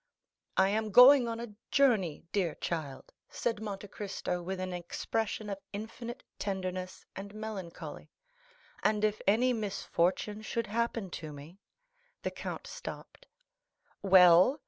"I am going on a journey, dear child," said Monte Cristo, with an expression of infinite tenderness and melancholy; "and if any misfortune should happen to me——" The count stopped. "Well?"